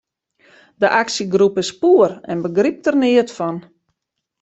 De aksjegroep is poer en begrypt der neat fan.